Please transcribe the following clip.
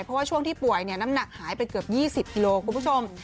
เพราะว่าช่วงที่ป่วยน้ำหนักหายไปเกือบ๒๐กิโลคุณผู้ชม